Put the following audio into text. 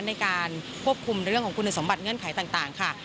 ในการควบคุมเรื่องของคุณสมบัติเงื่อนไขต่างค่ะ